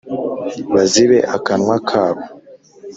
bazibe akanwa kabo